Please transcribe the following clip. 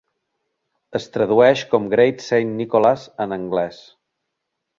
Es tradueix com "Great Saint Nicholas" en anglès.